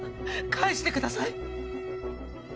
返してください